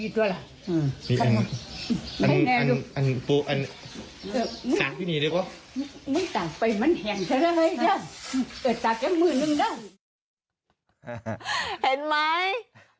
พี่เบิร์ดทำอะไร